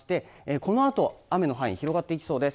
このあと雨の範囲広がっていきそうです